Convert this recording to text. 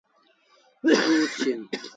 Du uts shian